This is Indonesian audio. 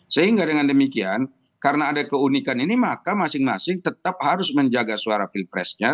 sehingga dengan demikian karena ada keunikan ini maka masing masing tetap harus menjaga suara pilpresnya